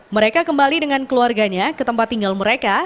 mereka kembali dengan keluarganya ke tempat tinggal mereka